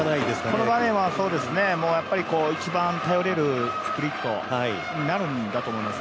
この場面は、一番頼れるスプリットになるんだと思います。